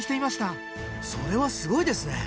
それはすごいですね！